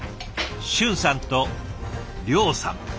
俊さんと諒さん。